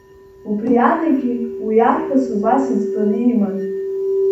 Убри адагьы уи арԥыс убас иӡбаны иман…